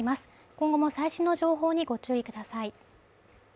今後も最新の情報にご注意ください